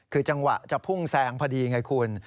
คือจังหวะจะพุ่งแซงพอดีไงคุณ